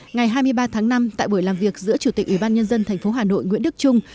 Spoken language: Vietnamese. ngày hai mươi ba tháng năm tại buổi làm việc giữa chủ tịch ủy ban nhân dân tp hà nội nguyễn đức trung